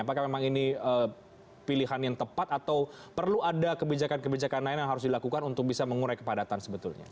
apakah memang ini pilihan yang tepat atau perlu ada kebijakan kebijakan lain yang harus dilakukan untuk bisa mengurai kepadatan sebetulnya